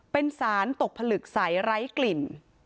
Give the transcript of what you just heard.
เป็นสารตกผลึกใสไร้กลิ่น